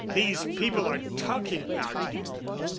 These people are talking about you."